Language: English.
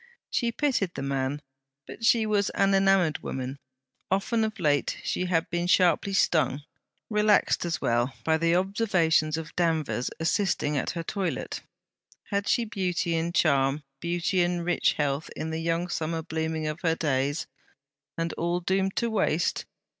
She pitied the man, but she was an enamoured woman. Often of late she had been sharply stung, relaxed as well, by the observations of Danvers assisting at her toilette. Had she beauty and charm, beauty and rich health in the young summer blooming of her days? and all doomed to waste?